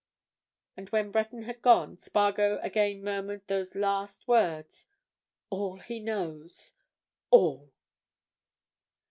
And when Breton had gone, Spargo again murmured those last words: "All he knows—all!"